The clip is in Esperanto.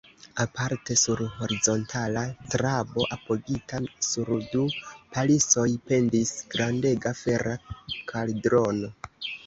Aparte sur horizontala trabo, apogita sur du palisoj, pendis grandega fera kaldrono.